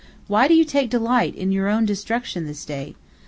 Why do you take delight in your own destruction this day?